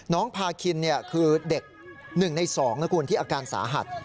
น้องพาคินเนี่ยคือเด็ก๑ใน๒ที่อาการสาหัส